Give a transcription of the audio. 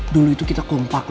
dulu itu kita kompak